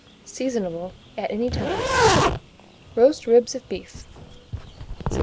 Seasonable at any time. ROAST RIBS OF BEEF. 657.